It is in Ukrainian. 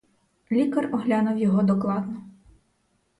Лікар оглянув його докладно.